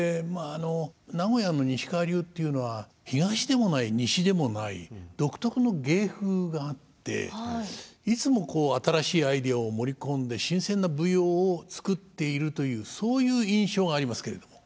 あの名古屋の西川流というのは東でもない西でもない独特の芸風があっていつも新しいアイデアを盛り込んで新鮮な舞踊を作っているというそういう印象がありますけれども。